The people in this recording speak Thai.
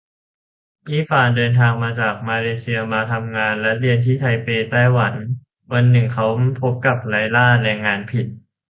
อี้ฝานเดินทางจากมาเลเซียมาทำงานและเรียนที่ไทเป ไต้หวัน วันหนึ่งเขาพบกับไลล่า แรงงานผิด